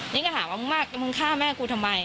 นี่ก็ถามว่ามึงฆ่าแม่กูทำไม